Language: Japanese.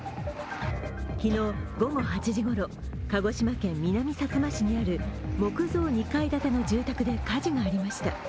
昨日午後８時ごろ、鹿児島県南さつま市にある木造２階建ての住宅で火事がありました。